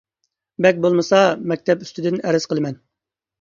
بەك بولمىسا مەكتەپ ئۇستىدىن ئەرز قىلىمەن.